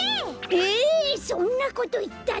えそんなこといったって！